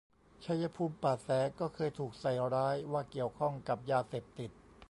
ชัยภูมิป่าแส ก็เคยถูกใส่ร้ายว่าเกี่ยวข้องกับ ยาเสพติด